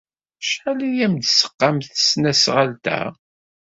Acḥal ay am-d-tesqam tesnasɣalt-a?